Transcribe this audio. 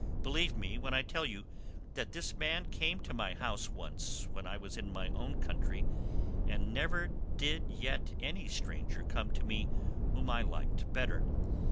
Believe me when I tell you that this man came to my house once when I was in my own country and never yet did any stranger come to me whom I liked better.